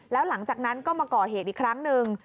แล้วหลังจากนั้นก็มาก่อเหตุอีกครั้งหนึ่ง